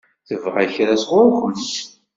Tebɣa kra sɣur-kent?